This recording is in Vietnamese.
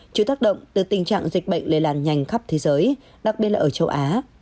chịu tác động từ tình trạng dịch bệnh lây lan nhanh khắp thế giới đặc biệt là ở châu á